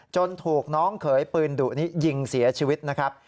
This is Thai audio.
ถูกน้องเขยปืนดุนี้ยิงเสียชีวิตนะครับ